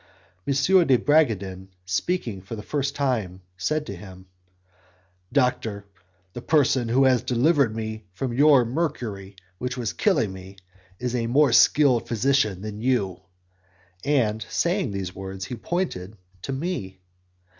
M. de Bragadin, speaking for the first time, said to him "Doctor, the person who has delivered me from your mercury, which was killing me, is a more skilful physician than you;" and, saying these words, he pointed to me.